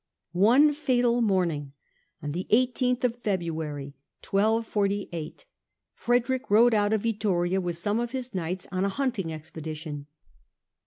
One fatal morning, on the i8th of February, 1248, Frederick rode out of Vittoria with some of his knights on a hunting expedition.